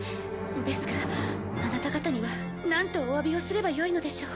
ですがアナタ方にはなんとおわびをすればよいのでしょう。